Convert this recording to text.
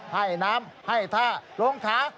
ให้น้ำให้ท่าลงขา